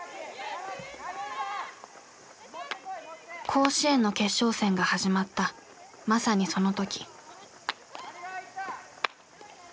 甲子園の決勝戦が始まったまさにその時。